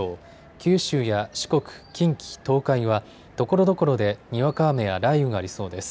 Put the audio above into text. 九州や四国、近畿、東海はところどころでにわか雨や雷雨がありそうです。